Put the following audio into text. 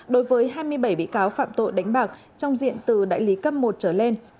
đối với hai mươi bảy bị cáo phạm tội đánh bạc trong diện từ đại lý cấp một trở lên